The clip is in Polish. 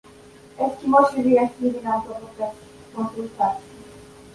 Eskimosi wyjaśnili nam to podczas konsultacji